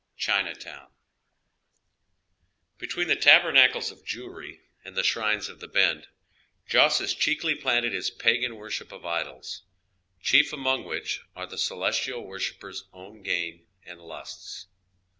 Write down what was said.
CHINATOWN, BETWEEN the tabernaules of Je wry and the shrines of the Bend, Joss has cheekily planted his pagan worship of idols, chief among which are the celestial worshipper's own gain and lusts.